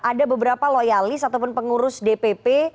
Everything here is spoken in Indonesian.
ada beberapa loyalis ataupun pengurus dpp